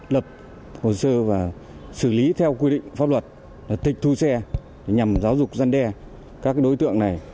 lập hồ sơ và xử lý theo quy định pháp luật tịch thu xe nhằm giáo dục gian đe các đối tượng này